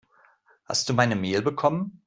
Hast du meine Mail bekommen?